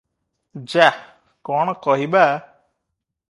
ଯା- କଣ କହିବା ।